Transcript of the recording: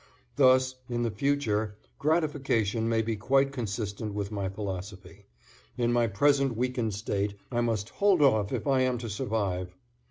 Thus, in the future, gratification may be quite consistent with my philosophy; in my present weakened state I must hold off if I am to survive.